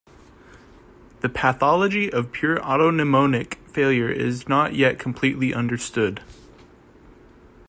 The pathology of pure autonomic failure is not yet completely understood.